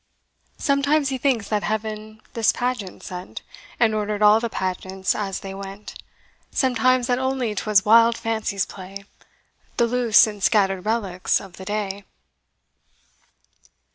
Sometimes he thinks that Heaven this pageant sent, And ordered all the pageants as they went; Sometimes that only 'twas wild Fancy's play, The loose and scattered relics of the day.